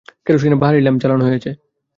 কেরোসিনের বাহারি ল্যাম্প জ্বালানো হয়েছে।